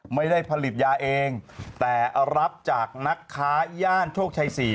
ไม่ได้ผลิตยาเองแต่รับจากนักค้าย่านโชคชัย๔